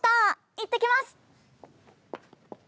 行ってきます！